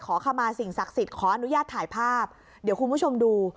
ขอขมาสิ่งศักดิ์สิทธิ์ขออนุญาตถ่ายภาพเดี๋ยวคุณผู้ชมดู